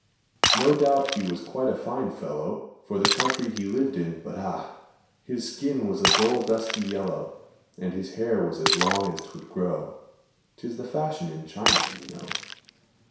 No doubt he was quite a fine fellow For the country he lived in but, ah! His skin was a dull, dusky yellow, And his hair was as long as 'twould grow. ('Tis the fashion in China, you know.)